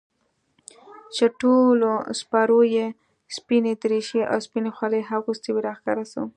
چې ټولو سپرو يې سپينې دريشۍ او سپينې خولۍ اغوستې وې راښکاره سوه.